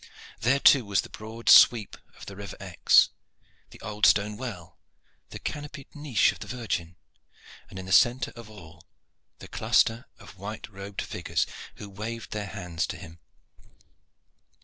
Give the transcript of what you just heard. There too was the broad sweep of the river Exe, the old stone well, the canopied niche of the Virgin, and in the centre of all the cluster of white robed figures who waved their hands to him.